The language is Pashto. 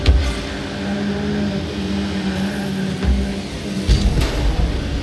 دا ونډه د ټولنې باور او یووالی غښتلی کوي.